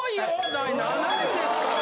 第７位ですから。